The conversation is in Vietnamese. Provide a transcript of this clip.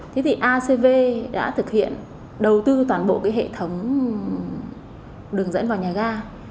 thế thì acv đã thực hiện đầu tư toàn bộ cái hệ thống đường dẫn vào nhà ga